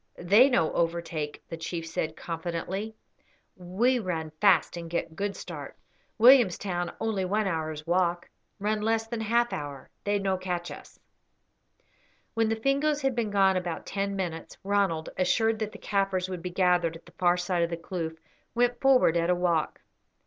"They no overtake," the chief said, confidently. "We run fast and get good start. Williamstown only one hour's walk; run less than half hour. They no catch us." When the Fingoes had been gone about ten minutes, Ronald, assured that the Kaffirs would be gathered at the far side of the kloof, went forward at a walk.